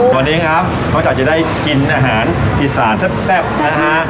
วันนี้ครับเราจะได้กินอาหารผิดสารแซ่บนะฮะ